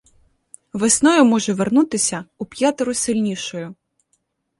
Весною може вернутися уп'ятеро сильнішою.